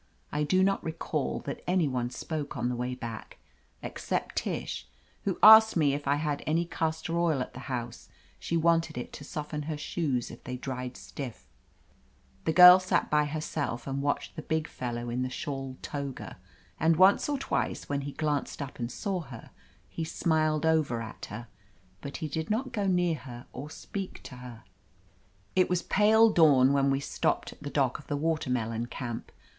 I do not recall that any one spoke on the way back, except Tish, who asked me if I had any castor oil at the house : she wanted it to soften her shoes if they dried stiff. The Girl sat by herself and watched the big fel low in the shawl toga. And once or twice, when he glanced up and saw her, he smiled over at her, but he did not go near her or speak to her. 340 OF LETITIA CARBERRY It was pale dawn when we stopped at the dock of the Watermelon Camp.